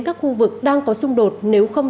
các khu vực đang có xung đột nếu không